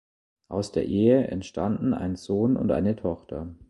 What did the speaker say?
Aus der Ehe entstanden ein Sohn und eine Tochter.